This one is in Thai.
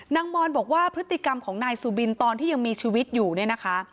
มอนบอกว่าพฤติกรรมของนายสุบินตอนที่ยังมีชีวิตอยู่เนี่ยนะคะ